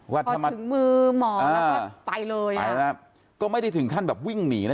มาถึงมือหมอแล้วก็ไปเลยก็ไม่ได้ถึงขั้นแบบวิ่งหนีนะ